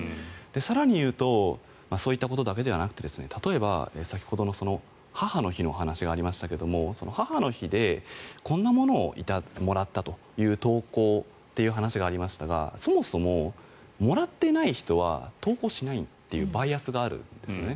更にいうとそういったことだけではなくて例えば、先ほど母の日の話がありましたけれども母の日でこんなものをもらったという投稿という話がありましたがそもそも、もらっていない人は投稿しないというバイアスがあるんですよね。